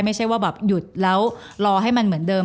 ไม่ใช่ว่าแบบหยุดแล้วรอให้มันเหมือนเดิม